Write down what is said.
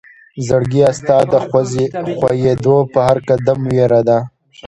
زړګيه ستا د خوئيدو په هر قدم وئيره ده